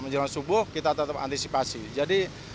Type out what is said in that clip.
menjelang subuh kita tetap antisipasi jadi